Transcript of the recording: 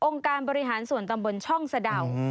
การบริหารส่วนตำบลช่องสะดาว